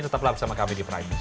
tetaplah bersama kami di primes